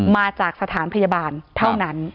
มาจากสถานพยาบาลเท่านั้น